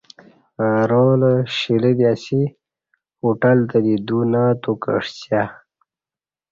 اہ رالہ شیلہ دی اسی ہوٹل تہ دی دو نہ اتوکعسیہ